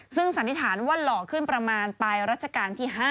ซึ่งสันนิษฐานว่าหล่อขึ้นประมาณปลายรัชกาลที่๕